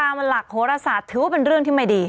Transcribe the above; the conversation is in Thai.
หลักโหรศาสตร์ถือว่าเป็นเรื่องที่ไม่ดี